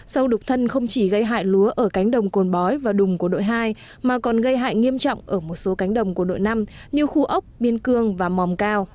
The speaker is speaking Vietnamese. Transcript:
sâu đục thân không chỉ gây hại lúa ở cánh đồng cồn bói và đùm của đội hai mà còn gây hại nghiêm trọng ở một số cánh đồng của đội năm như khu ốc biên cương và mòm cao